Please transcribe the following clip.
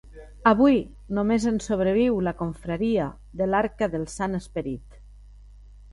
Avui, només en sobreviu la Confraria de l'Arca del Sant Esperit.